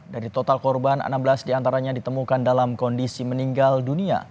dari total korban enam belas diantaranya ditemukan dalam kondisi meninggal dunia